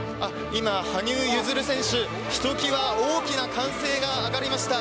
今、羽生結弦選手、ひときわ大きな歓声が上がりました。